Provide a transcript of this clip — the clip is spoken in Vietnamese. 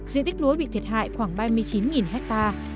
diện tích lúa bị thiệt hại khoảng ba mươi chín hectare